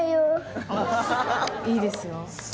いいですよ。